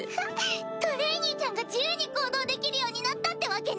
トレイニーちゃんが自由に行動できるようになったってわけね？